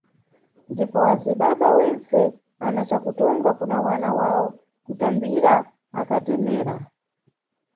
Ndipo azibaba wentse ana cakutonga kuna wana wawo kutambira akatemera.